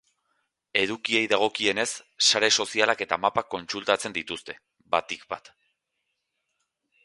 Edukiei dagokienez, sare sozialak eta mapak kontsultatzen dituzte, batik bat.